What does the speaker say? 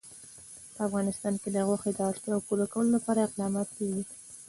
په افغانستان کې د غوښې د اړتیاوو پوره کولو لپاره اقدامات کېږي.